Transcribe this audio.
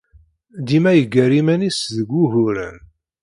Dima yeggar iman-nnes deg wuguren.